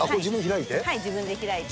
自分で開いて？